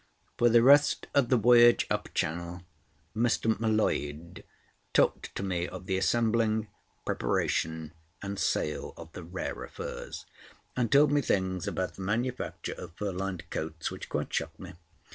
For the rest of the voyage up channel Mr. M'Leod talked to me of the assembling, preparation, and sale of the rarer furs; and told me things about the manufacture of fur lined coats which quite shocked me.